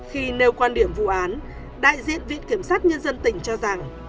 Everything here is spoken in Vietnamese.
khi nêu quan điểm vụ án đại diện viện kiểm sát nhân dân tỉnh cho rằng